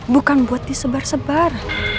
bukan buat disebar sebar